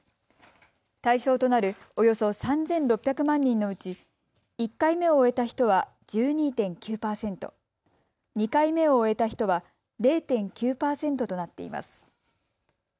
対象となるおよそ３６００万人のうち１回目を終えた人は１２．９％、２回目を終えた人は０．９％となっています。